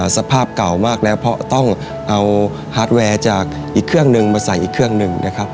สภาพเก่ามากแล้วเพราะต้องเอาฮาร์ดแวร์จากอีกเครื่องหนึ่งมาใส่อีกเครื่องหนึ่งนะครับ